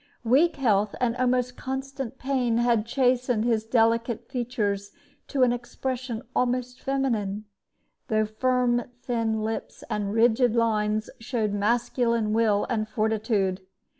Weak health and almost constant pain had chastened his delicate features to an expression almost feminine, though firm thin lips and rigid lines showed masculine will and fortitude.